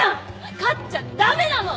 勝っちゃ駄目なの！